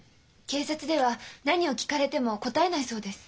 警察では何を聞かれても答えないそうです。